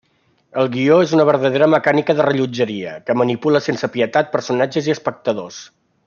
El guió és una verdadera mecànica de rellotgeria, que manipula sense pietat personatges i espectadors.